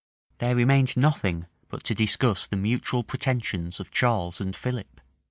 There remained nothing but to discuss the mutual pretensions of Charles and Philip.